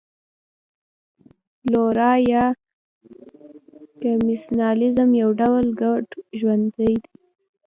فلورا یا کمېنسالیزم یو ډول ګډ ژوند دی.